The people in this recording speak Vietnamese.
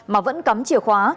mà vẫn cắm chìa khóa